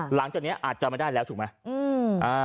หลังจากนี้อาจจะไม่ได้แล้วถูกไหม